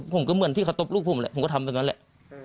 ผมก็เหมือนที่เขาตบลูกผมแหละผมก็ทำแบบนั้นแหละ